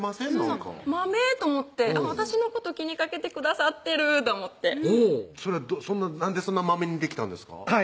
なんかまめと思って私のこと気にかけてくださってると思ってそれはなんでそんなまめにできたんですか？